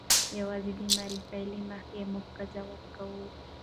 یوازې د مورفي له مخې مه قضاوت کوئ.